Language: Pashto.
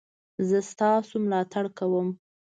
زه ستاسو ملاتړ کوم